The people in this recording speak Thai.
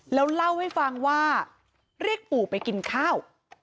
แล้วเล่าให้ฟังว่าเรียกปู่ไปกินข้าว